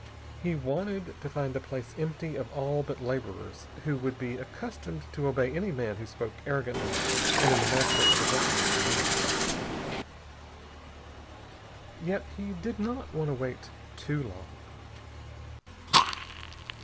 He wanted to find the place empty of all but laborers, who would be accustomed to obey any man who spoke arrogantly and in the manner of a deputy of The Master. Yet he did not want to wait too long.